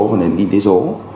và đến kinh tế số